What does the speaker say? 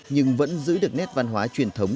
nhưng vẫn giữ được nét văn hóa truyền thống